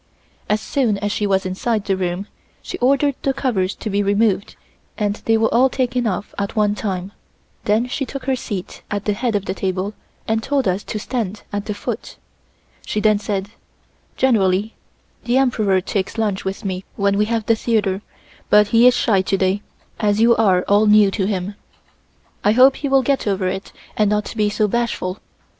As soon as she was inside the room, she ordered the covers to be removed and they were all taken off at one time. Then she took her seat at the head of the table and told us to stand at the foot. She then said: "generally the Emperor takes lunch with me when we have the theatre, but he is shy to day, as you are all new to him. I hope he will get over it and not be so bashful.